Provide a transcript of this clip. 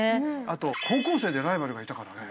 あと高校生でライバルがいたからね。